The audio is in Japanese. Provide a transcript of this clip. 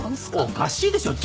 おかしいでしょ？